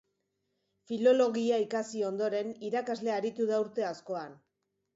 Filologia ikasi ondoren, irakasle aritu da urte askoan.